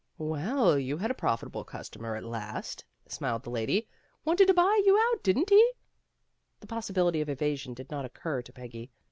"Well, you had a profitable customer at last," smiled the lady. "Wanted to buy you out, didn't he I" The possibility of evasion did not occur to Peggy.